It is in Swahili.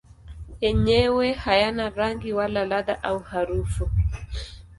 Yenyewe hayana rangi wala ladha au harufu.